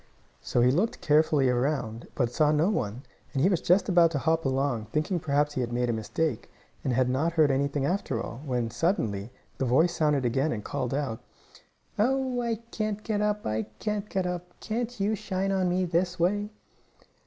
So he looked carefully around, but he saw no one, and he was just about to hop along, thinking perhaps he had made a mistake, and had not heard anything after all, when, suddenly, the voice sounded again, and called out: "Oh, I can't get up! I can't get up! Can't you shine on me this way?"